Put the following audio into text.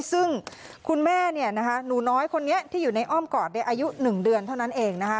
ซึ่งคุณแม่เนี่ยนะคะหนูน้อยคนนี้ที่อยู่ในอ้อมกอดอายุ๑เดือนเท่านั้นเองนะคะ